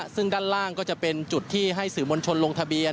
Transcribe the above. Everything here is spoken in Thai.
ซึ่งด้านล่างก็จะเป็นจุดที่ให้สื่อมวลชนลงทะเบียน